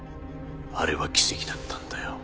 あれは奇跡だったんだよ。